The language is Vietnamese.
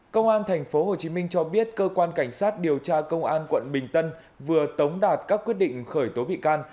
công an tp hcm cho biết cơ quan cảnh sát điều tra công an quận bình tân vừa tống đạt các quyết định khởi tố bị can